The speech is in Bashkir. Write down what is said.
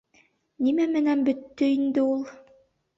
Нимә менән бөттө инде ул?